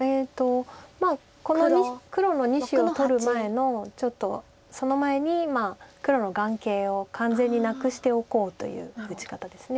まあこの黒の２子を取る前のちょっとその前に黒の眼形を完全になくしておこうという打ち方です。